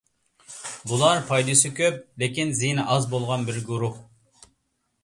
بۇلار پايدىسى كۆپ، لېكىن زىيىنى ئاز بولغان بىر گۇرۇھ.